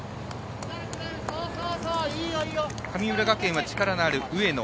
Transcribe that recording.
神村学園は力のある上野。